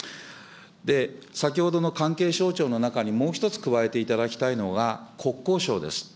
で、先ほどの関係省庁の中に、もう１つ加えていただきたいのが、国交省です。